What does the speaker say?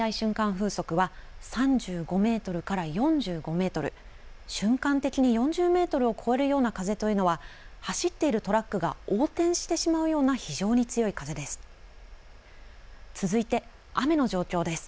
風速は３５メートルから４５メートル、瞬間的に４０メートルを超えるような風というのは走っているトラックが横転してしまうような非常に強い風です。